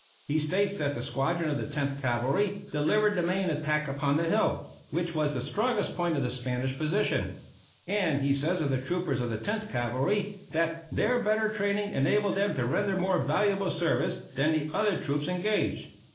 He states that the squadron of the Tenth Cavalry delivered the main attack upon the hill, which was the strongest point of the Spanish position; and he says of the troopers of the Tenth Cavalry that "their better training enabled them to render more valuable service than the other troops engaged."